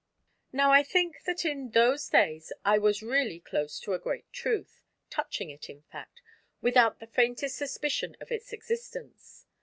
Now I think that in those days I was really close to a great truth, touching it, in fact, without the faintest suspicion of its existence.